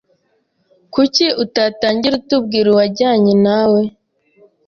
Kuki utatangira utubwira uwajyanye nawe?